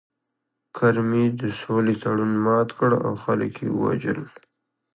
کرمي د سولې تړون مات کړ او خلک یې ووژل